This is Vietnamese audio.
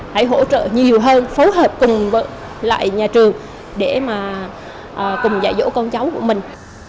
hãy hỗ trợ nhiều hơn phối hợp cùng lại nhà trường để mà cùng dạy dỗ con cháu của mình